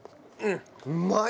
うまい。